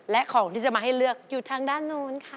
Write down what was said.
และของที่จะมาให้เลือกอยู่ทางด้านโน้นค่ะ